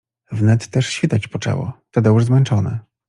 Wnet też świtać poczęło, Tadeusz zmęczony